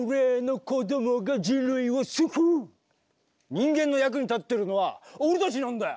人間の役に立ってるのは俺たちなんだよ！